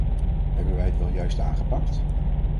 Hebben wij het wel juist aangepakt?